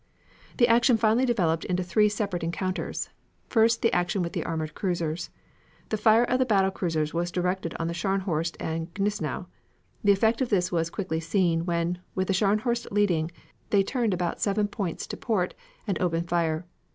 "The action finally developed into three separate encounters. First, the action with the armored cruisers. The fire of the battle cruisers was directed on the Scharnhorst and Gneisenau. The effect of this was quickly seen, when, with the Scharnhorst leading, they turned about seven points to port, and opened fire.